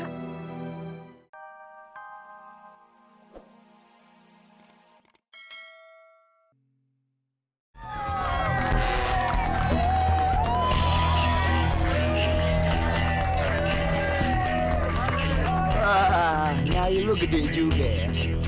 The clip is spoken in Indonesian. nah nyai lo gedein juga ya